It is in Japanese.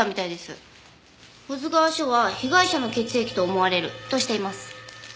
保津川署は「被害者の血液と思われる」としています。